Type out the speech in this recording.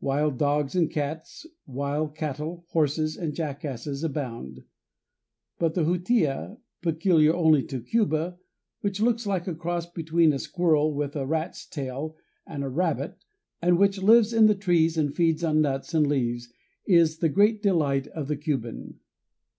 Wild dogs and cats, wild cattle, horses, and jackasses abound. But the jutia, peculiar only to Cuba, which looks like a cross between a squirrel with a rat's tail and a rabbit, and which lives in the trees and feeds on nuts and leaves, is the great delight of the Cuban.